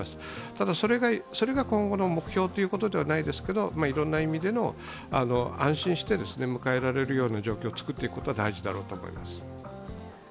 ただ、それが今後の目標ということではないですけどいろんな意味で安心して迎えられるような状況を作っていくことは大事だろうと思います。